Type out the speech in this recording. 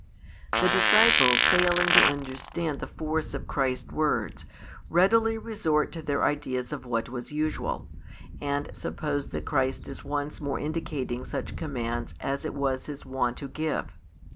The disciples failing to understand the force of Christ's words, readily resort to their ideas of what was usual, and suppose that Christ is once more indicating such commands as it was His wont to give.